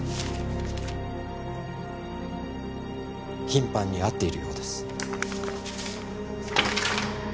頻繁に会っているようです。